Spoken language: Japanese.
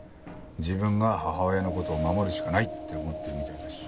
自分が母親の事を守るしかないって思ってるみたいだし。